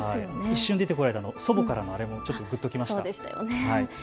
一瞬、出た祖母からのあれもちょっとぐっときました。